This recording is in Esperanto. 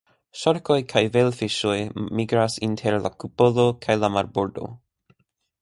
Ŝarkoj kaj velfiŝoj migras inter la kupolo kaj la marbordo.